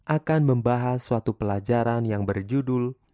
akan membahas suatu pelajaran yang berjudul